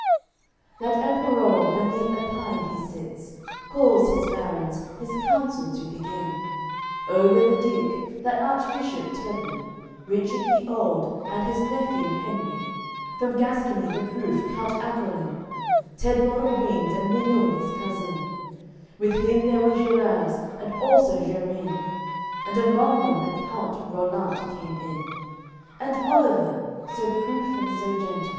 AOI. XII That Emperour, beneath a pine he sits, Calls his barons, his council to begin: Oger the Duke, that Archbishop Turpin, Richard the old, and his nephew Henry, From Gascony the proof Count Acolin, Tedbald of Reims and Milun his cousin: With him there were Gerers, also Gerin, And among them the Count Rollant came in, And Oliver, so proof and so gentil.